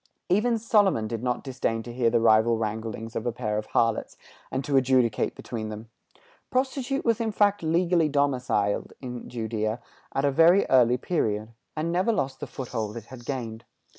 Even Solomon did not disdain to hear the rival wranglings of a pair of harlots, and to adjudicate between them. Prostitution was in fact legally domiciled in Judæa at a very early period, and never lost the foothold it had gained.